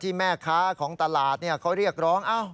แม่ค้าของตลาดเขาเรียกร้อง